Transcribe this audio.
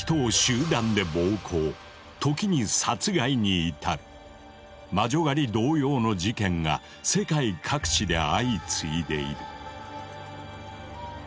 時に殺害に至る魔女狩り同様の事件が世界各地で相次いでいる。